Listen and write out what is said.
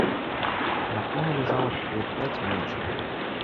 На кону ляжала капеек пяць медзі.